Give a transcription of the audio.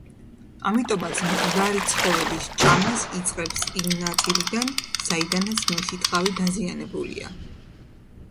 ამიტომ მკვდარი ცხოველის ჭამას იწყებს იმ ნაწილიდან, სადაც მისი ტყავი დაზიანებულია.